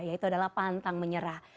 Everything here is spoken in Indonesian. yaitu adalah pantang menyerah